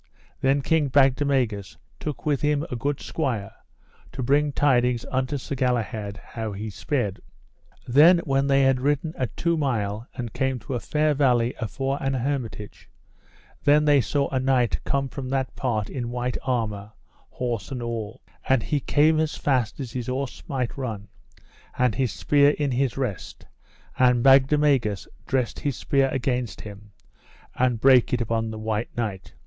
Then King Bagdemagus took with him a good squire, to bring tidings unto Sir Galahad how he sped. Then when they had ridden a two mile and came to a fair valley afore an hermitage, then they saw a knight come from that part in white armour, horse and all; and he came as fast as his horse might run, and his spear in his rest, and Bagdemagus dressed his spear against him and brake it upon the white knight.